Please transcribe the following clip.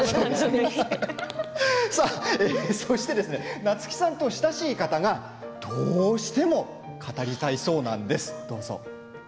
そして夏木さんと親しい方がどうしても語りたいそうなんです。